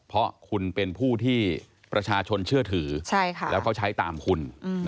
เพราะคุณเป็นผู้ที่ประชาชนเชื่อถือแล้วเขาใช้ตามคุณ